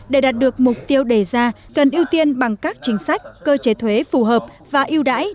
để đạt được mục tiêu đề ra cần ưu tiên bằng các chính sách cơ chế thuế phù hợp và yêu đãi